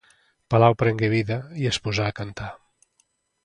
Palau prengué vida i es posà a cantar.